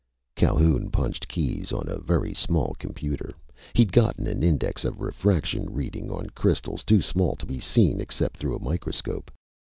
Calhoun punched keys on a very small computer. He'd gotten an index of refraction reading on crystals too small to be seen except through a microscope.